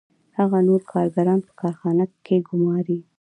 هغه نور کارګران په کارخانه کې ګوماري